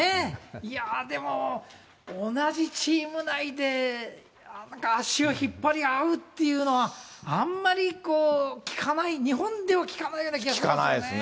いやー、でも、同じチーム内でなんか足を引っ張り合うっていうのは、あんまり聞かない、日本では聞かないような気がするんですよね。